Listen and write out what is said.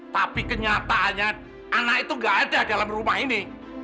tapi kenyataannya anak itu tidak ada dalam rumah ini